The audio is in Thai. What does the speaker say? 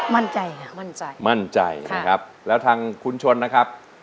มั่นใจค่ะมั่นใจมั่นใจนะครับแล้วทางคุณชนนะครับ